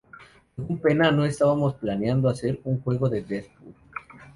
Según Penna, "No estábamos planeando hacer un juego de Deadpool.